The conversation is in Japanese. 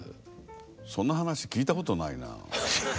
そんな話聞いたことないな。